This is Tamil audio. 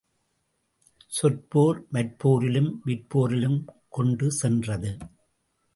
சொற்போர் மற்போரிலும் விற்போரிலும் கொண்டு சென்றது.